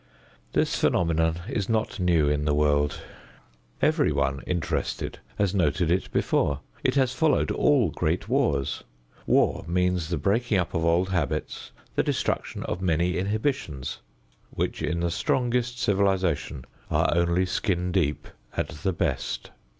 This phenomenon is not new in the world. Everyone interested has noted it before. It has followed all great wars. War means the breaking up of old habits, the destruction of many inhibitions, which in the strongest civilization are only skin deep at the best.